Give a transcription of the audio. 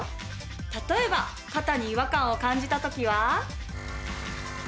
例えば肩に違和感を感じた時は。